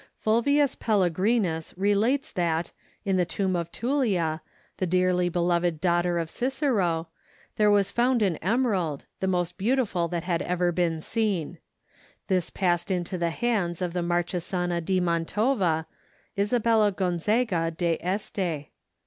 Fulvius Pellegrinus relates that, in the tomb of Tullia, the dearly beloved daughter of Cicero, there was found an emerald, the most beautiful that had ever been seen. This passed into the hands of the Marchesana di Mantova, Isabella Gonzaga da Este.